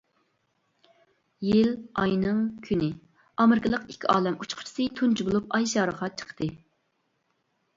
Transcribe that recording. - يىل - ئاينىڭ - كۈنى، ئامېرىكىلىق ئىككى ئالەم ئۇچقۇچىسى تۇنجى بولۇپ ئاي شارىغا چىقتى.